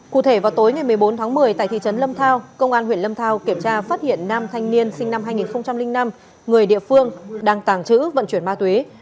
cụ thể vào tối ngày một mươi bốn tháng một mươi tại thị trấn lâm thao công an huyện lâm thao kiểm tra phát hiện nam thanh niên sinh năm hai nghìn năm người địa phương đang tàng trữ vận chuyển ma túy